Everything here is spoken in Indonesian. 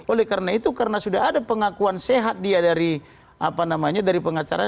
oleh karena itu karena sudah ada pengakuan sehat dia dari pengacara